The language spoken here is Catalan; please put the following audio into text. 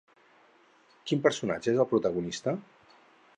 Quin personatge és el protagonista?